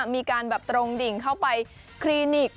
มีการแบบตรงดิ่งเข้าไปคลินิก